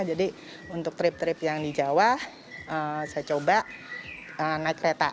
jadi untuk trip trip yang di jawa saya coba naik kereta